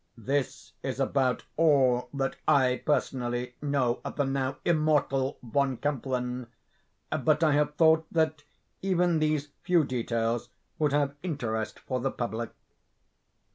This is about all that I personally know of the now immortal Von Kempelen; but I have thought that even these few details would have interest for the public.